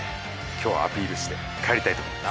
今日はアピールして帰りたいと思います。